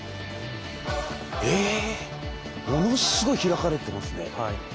えものすごい開かれてますね。